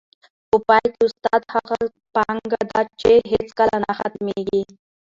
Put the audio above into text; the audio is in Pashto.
په پای کي، استاد هغه پانګه ده چي هیڅکله نه ختمېږي.